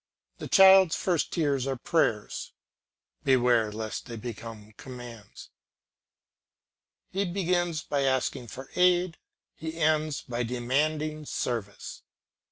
The child's first tears are prayers, beware lest they become commands; he begins by asking for aid, he ends by demanding service.